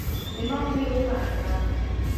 دماغ مي روښانه کړه.